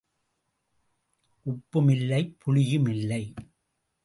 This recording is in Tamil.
உப்பும் இல்லை, புளியும் இல்லை.